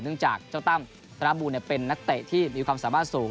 เนื่องจากเจ้าตั้มสนามบูรณ์เป็นนักเตะที่มีความสามารถสูง